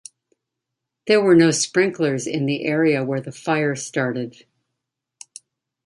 There were no sprinklers in the area where the fire started.